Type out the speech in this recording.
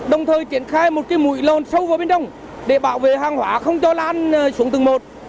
đồng thời triển khai một cái mũi lòn sâu vào bên trong để bảo vệ hàng hóa không cho lan xuống từng một